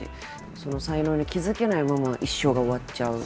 その才能に気付けないまま一生が終わっちゃう。